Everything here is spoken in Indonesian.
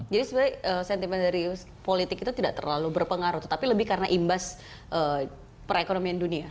jadi sebenarnya sentimen dari politik itu tidak terlalu berpengaruh tapi lebih karena imbas perekonomian dunia